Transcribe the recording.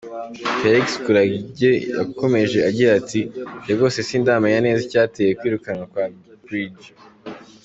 Felix Kulayigye yakomeje agira ati “njye rwose sindamenya neza icyateye kwirukanwa kwa Brig.